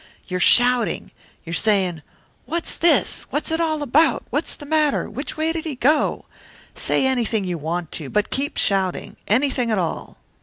You're shouting. You're saying, 'What's this? What's it all about? What's the matter? Which way did he go?' Say anything you want to, but keep shouting anything at all.